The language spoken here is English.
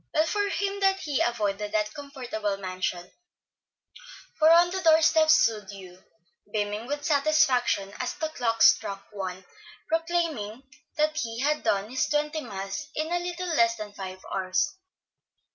Well for him that he avoided that comfortable mansion; for on the door steps stood Hugh, beaming with satisfaction as the clock struck one, proclaiming that he had done his twenty miles in a little less than five hours.